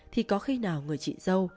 thì có khi nào người chị dâu